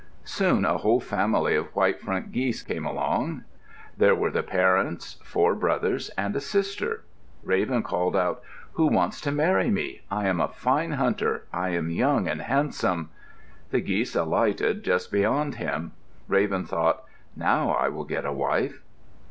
Soon a whole family of white front geese came along. There were the parents, four brothers, and a sister. Raven called out, "Who wants to marry me? I am a fine hunter. I am young and handsome." The geese alighted just beyond him. Raven thought, "Now I will get a wife."